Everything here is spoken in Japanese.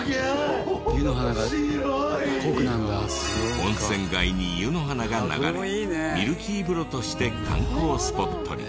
温泉街に湯の花が流れミルキー風呂として観光スポットに。